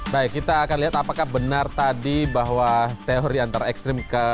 baik kita akan lihat apakah benar tadi bahwa teori antar ekstrim